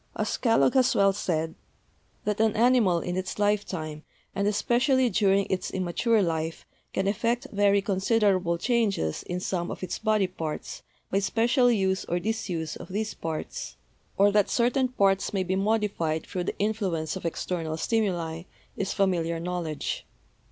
As Kellogg has well said : "That an animal in its lifetime, and especially during its immature life, can effect very considerable changes 228 BIOLOGY in some of its body parts by special use or disuse of these parts, or that certain parts may be modified through the influence of external stimuli, is familiar knowledge.